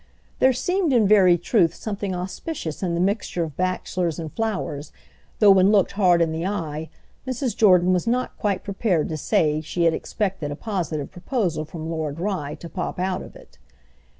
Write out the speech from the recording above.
There seemed in very truth something auspicious in the mixture of bachelors and flowers, though, when looked hard in the eye, Mrs. Jordan was not quite prepared to say she had expected a positive proposal from Lord Rye to pop out of it.